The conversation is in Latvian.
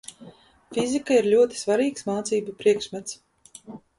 Fizika ir ļoti svarīgs mācību priekšmets.